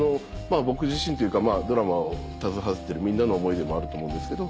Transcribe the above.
僕自身というかドラマを携わってるみんなの思いでもあると思うんですけど。